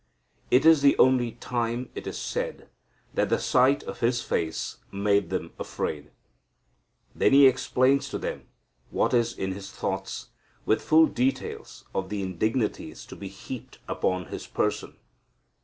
It is the only time it is said that the sight of His face made them afraid. Then He explains to them what is in His thoughts, with full details of the indignities to be heaped upon His person.